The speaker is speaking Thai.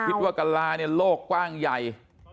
คิดว่ากราเนี่ยโลกกว้างใหญ่